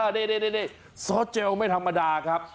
นี่ซอสเจลไม่ธรรมดาครับ